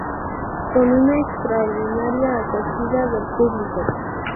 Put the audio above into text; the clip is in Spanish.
Con una extraordinaria acogida del público.